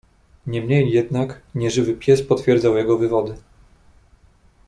"Niemniej jednak, nieżywy pies potwierdzał jego wywody."